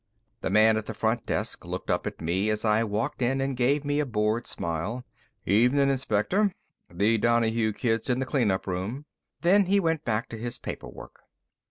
The man at the front desk looked up at me as I walked in and gave me a bored smile. "Evening, Inspector. The Donahue kid's in the clean up room." Then he went back to his paper work.